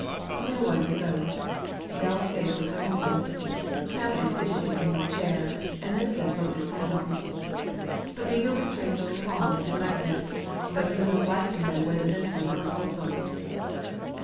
No one spoke. Bell's face was crimson. T'nowhead fidgeted on his chair, and Lisbeth looked at Sam'l. The weaver was strangely calm and collected, though he would have liked to know whether this was a proposal.